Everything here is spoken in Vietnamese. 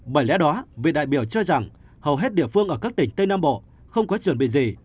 bởi lẽ đó vị đại biểu cho rằng hầu hết địa phương ở các tỉnh tây nam bộ không có chuẩn bị gì